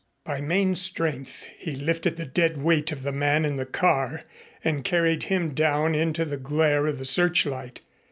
By main strength he lifted the dead weight of the man in the car and carried him down into the glare of the searchlight.